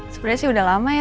sebenarnya sih udah lama ya